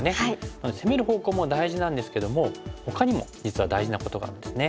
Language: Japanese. なので攻める方向も大事なんですけどもほかにも実は大事なことがあるんですね。